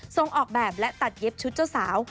ออกแบบและตัดเย็บชุดเจ้าสาว